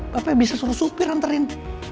papa bisa suruh supir anterin